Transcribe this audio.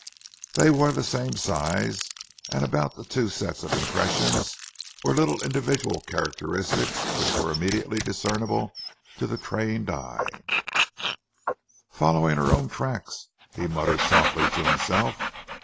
They were the same size, and about the two sets of impressions were little individual characteristics which were immediately discernible to the trained eyes. "Following her own tracks," he muttered softly to himself.